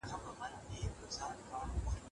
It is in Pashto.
مظلوم ته باید په هیڅ حالت کې ضرر او زیان ونه رسول شي.